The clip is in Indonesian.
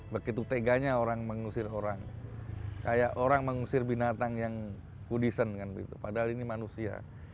begitu teganya orang mengusir orang kayak orang mengusir binatang yang kudisen padahal ini manusia